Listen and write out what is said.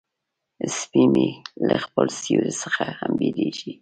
سپي مې له خپل سیوري څخه هم بیریږي.